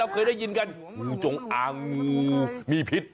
และเรากินต่างหากงูจงอังมีพิษ